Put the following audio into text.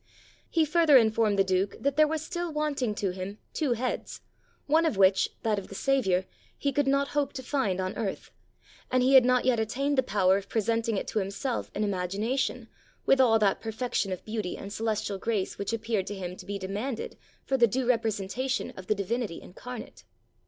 He further informed the Duke that there were still wanting to him two heads, one of which, that of the Saviour, he could not hope to find on earth, and had not yet attained the power of presenting it to himself in imagination, with all that perfection of beauty and celestial grace which appeared to him to be demanded for the due representation of the Divinity incarnate.